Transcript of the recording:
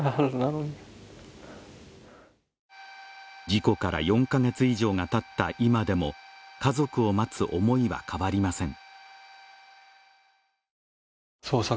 事故から４か月以上がたった今でも、家族を待つ思いは変わりません。